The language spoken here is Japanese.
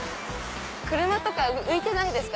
車とか浮いてないですか？